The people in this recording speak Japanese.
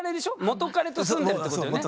元カレと住んでるってことよね。